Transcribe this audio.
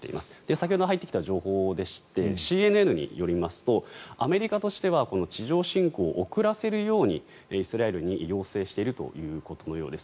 先ほど入ってきた情報でしてＣＮＮによりますとアメリカとしては地上侵攻を遅らせるようにイスラエルに要請しているということのようです。